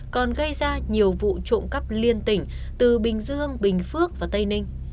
còn gây ra nhiều vụ trộm cắp liên tỉnh từ bình dương bình phước và tây ninh